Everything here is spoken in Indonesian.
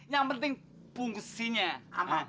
yang penting pungkusinnya